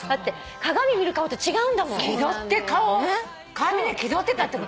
鏡で気取ってたってこと？